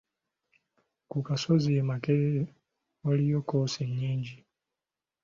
Ku kasozi e Makerere waliyo kkoosi nnyingi.